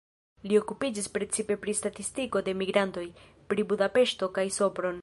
Li okupiĝis precipe pri statistiko de migrantoj, pri Budapeŝto kaj Sopron.